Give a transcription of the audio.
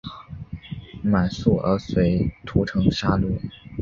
满速儿遂屠城杀掠。